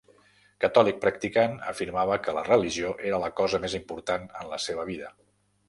Catòlic practicant, afirmava que la religió era la cosa més important en la seva vida.